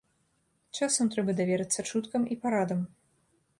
Часам трэба даверыцца чуткам і парадам.